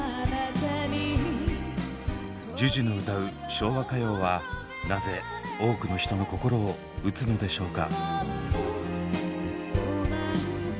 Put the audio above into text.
昭和歌謡はなぜ多くの人の心を打つのでしょうか。